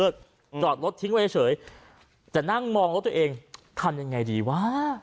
จอดรถทิ้งไว้เฉยแต่นั่งมองรถตัวเองทำยังไงดีวะ